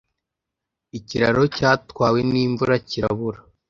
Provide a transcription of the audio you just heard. Ikiraro cyatwawe n' imvura kirabura